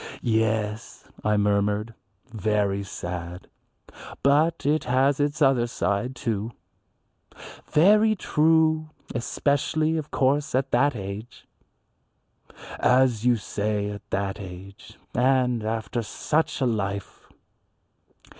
"Yes," I murmured, "very sad. But it has its other side, too." "Very true, especially, of course, at that age." "As you say at that age, and after such a life."